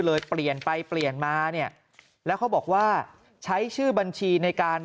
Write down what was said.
เลยเปลี่ยนไปเปลี่ยนมาเนี่ยแล้วเขาบอกว่าใช้ชื่อบัญชีในการ